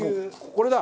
これだ！